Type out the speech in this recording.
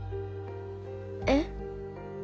えっ？